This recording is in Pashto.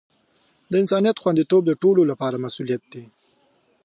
د انسانیت خوندیتوب د ټولو لپاره مسؤولیت دی.